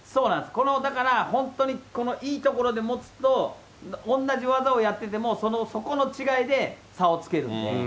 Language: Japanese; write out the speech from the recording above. このだから、本当にいいところで持つと、同じ技をやってても、その、そこの違いで、差をつけれるんで。